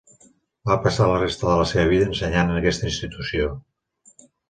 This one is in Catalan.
Va passar la resta de la seva vida ensenyant en aquesta institució.